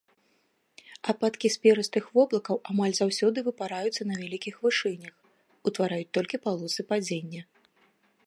Ападкі з перыстыя воблакаў амаль заўсёды выпараюцца на вялікіх вышынях, утвараюць толькі палосы падзення.